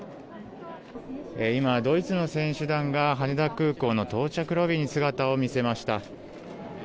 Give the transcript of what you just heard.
今、ドイツの選手団が羽田空港の到着ロビーに姿を見せました。